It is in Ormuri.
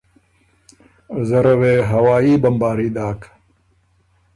زره وې هوايي بمباري داک